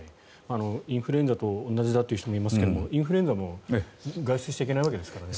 インフルエンザと同じだという人もいますがインフルエンザも外出しちゃいけないわけですからね。